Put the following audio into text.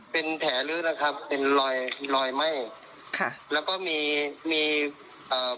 เป็นแผลลึกนะครับเป็นรอยรอยไหม้ค่ะแล้วก็มีมีเอ่อ